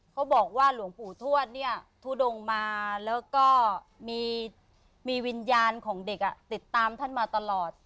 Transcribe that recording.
เขาบอกว่าหลวงปู่ทวดเนี่ยทุดงมาแล้วก็มีวิญญาณของเด็กติดตามท่านมาตลอด